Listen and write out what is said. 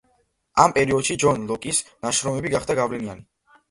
ამ პერიოდში ჯონ ლოკის ნაშრომები გახდა გავლენიანი.